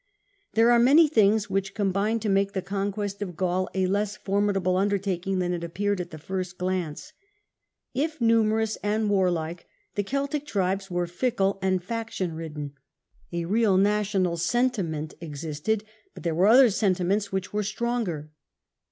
There were many things which combined to make the conquest of Gaul a less formidable undertaking than it appeared at the first glance. If numerous and warlike, the Celtic tribes were fickle and faction ridden. A real national sentiment existed, but there were other senti ments which were stronger.